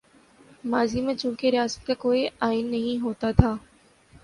ماضی میں چونکہ ریاست کا کوئی آئین نہیں ہوتا تھا۔